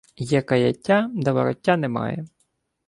Є каяття, да вороття немає.